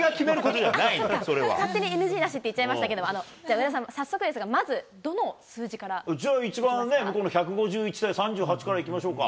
そうか、勝手にＮＧなしって言っちゃっいましたけど、上田さん、早速ですけれども、まずどのじゃあ、一番ね、この１５１対３８からいきましょうか。